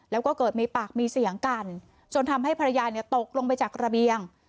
แล้วก็เกิดมีปากมีเสียงกันจนทำให้ภรรยาเนี่ยตกลงไปจากระเบียง